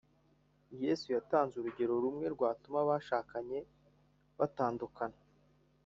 Yesu yatanze urugero rumwe rwatuma abashakanye batandukana